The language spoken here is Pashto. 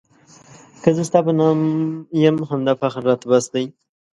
که زه ستا په نام یم همدا فخر راته بس دی.